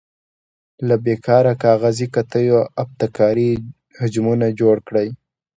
له بې کاره کاغذي قطیو ابتکاري حجمونه جوړ کړئ.